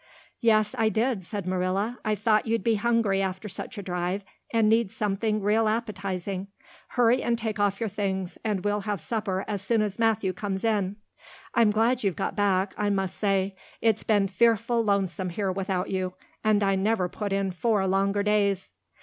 "Yes, I did," said Marilla. "I thought you'd be hungry after such a drive and need something real appetizing. Hurry and take off your things, and we'll have supper as soon as Matthew comes in. I'm glad you've got back, I must say. It's been fearful lonesome here without you, and I never put in four longer days."